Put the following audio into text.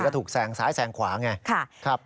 แล้วถูกแสงซ้ายแสงขวาไง